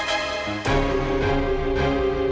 terima kasih dok